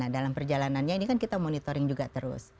dalam perjalanannya ini kan kita monitoring juga terus